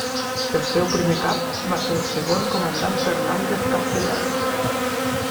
El seu primer Cap va ser el segon comandant Fernández Castellans.